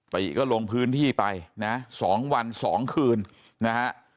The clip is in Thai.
ติก็ลงพื้นที่ไปนะ๒วัน๒คืนนะฮะ